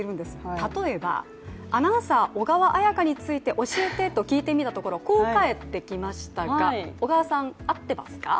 例えば、アナウンサー小川彩佳について教えてと聞いてみたところこう帰ってきましたが、小川さん、合っていますか？